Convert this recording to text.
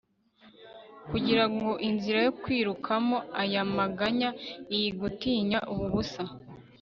kugirango inzira yo kwikuramo aya maganya iyi gutinya ubu busa